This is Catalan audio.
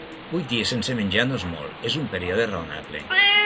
Vuit dies sense menjar no és molt, és un període raonable.